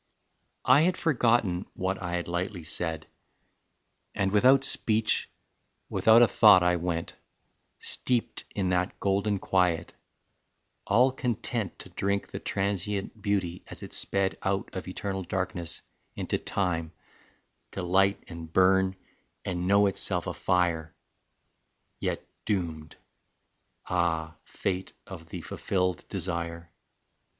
XVIII. I had forgotten what I had lightly said, And without speech, without a thought I went, Steeped in that golden quiet, all content To drink the transient beauty as it sped Out of eternal darkness into time To light and burn and know itself a fire; Yet doomed ah, fate of the fulfilled desire!